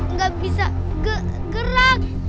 nggak bisa gerak